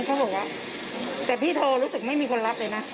เขาบอกว่าแต่พี่โทรรู้สึกไม่มีคนรับเลยนะ